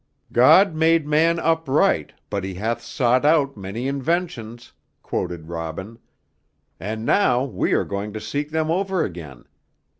"'God made man upright, but he hath sought out many inventions,'" quoted Robin, "and now we are going to seek them over again.